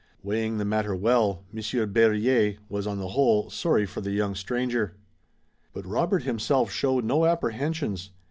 Weighing the matter well, Monsieur Berryer was, on the whole, sorry for the young stranger. But Robert himself showed no apprehensions.